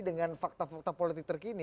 dengan fakta fakta politik terkini